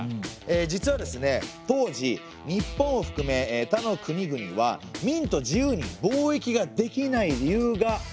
実はですね当時日本をふくめ他の国々は明と自由に貿易ができない理由があったんですね。